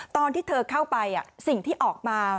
ตอนที่เธอเข้าไปสิ่งที่ออกมา